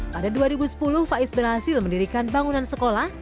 pada dua ribu sepuluh faiz berhasil mendirikan bangunan sekolah